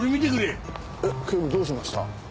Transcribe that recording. えっ警部どうしました？